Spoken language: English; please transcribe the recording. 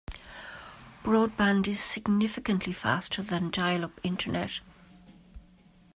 Broadband is significantly faster than dial-up internet.